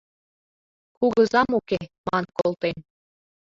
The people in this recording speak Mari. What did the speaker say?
«Кугызам уке» ман колтем.